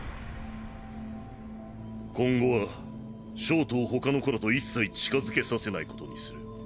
今後は焦凍を他の子らと一切近付けさせないことにする。